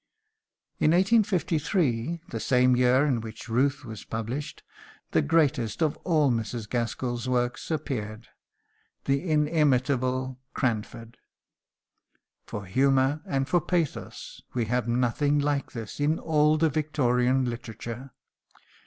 In 1853 the same year in which "Ruth" was published the greatest of all Mrs. Gaskell's works appeared, the inimitable "Cranford." For humour and for pathos we have nothing like this in all the Victorian literature.